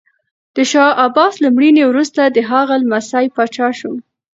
د شاه عباس له مړینې وروسته د هغه لمسی پاچا شو.